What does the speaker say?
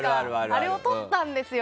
あれを撮ったんですよ。